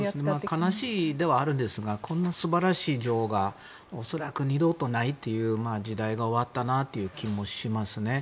悲しいのはあるんですがこんな素晴らしい女王は恐らく二度とないっていう時代が終わったなという気もしますね。